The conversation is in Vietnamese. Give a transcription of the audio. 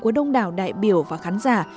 của đông đảo đại biểu và khán giả